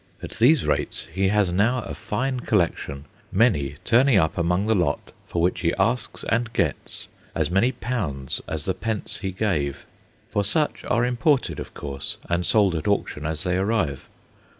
At these rates he has now a fine collection, many turning up among the lot for which he asks, and gets, as many pounds as the pence he gave. For such are imported, of course, and sold at auction as they arrive.